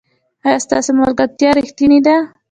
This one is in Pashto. ایا ستاسو ملګرتیا ریښتینې ده؟